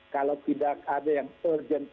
kalau tidak ada yang urgent